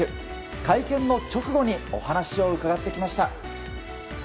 会見の直後にお話を伺ってきました。